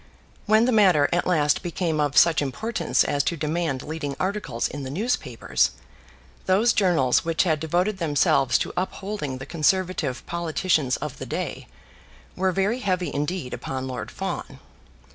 When the matter at last became of such importance as to demand leading articles in the newspapers, those journals which had devoted themselves to upholding the Conservative politicians of the day were very heavy indeed upon Lord Fawn.